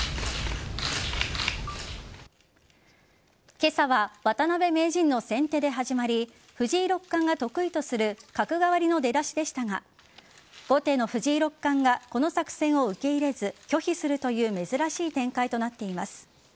今朝は渡辺名人の先手で始まり藤井六冠が得意とする角換わりの出だしでしたが後手の藤井六冠がこの作戦を受け入れず拒否するという珍しい展開となっています。